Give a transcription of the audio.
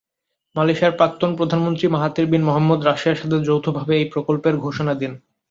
মালয়েশিয়ার প্রাক্তন প্রধানমন্ত্রী মাহাথির বিন মোহাম্মদ রাশিয়ার সাথে যৌথভাবে এই প্রকল্পের ঘোষণা দেন।